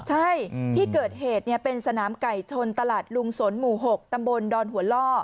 ใช่ที่เกิดเหตุเป็นสนามไก่ชนตลาดลุงสนหมู่๖ตำบลดอนหัวล่อ